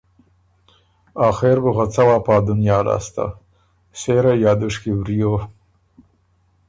آخېر بُو خه څوا پا دنیا لاسته سېره یا دُشکی وریو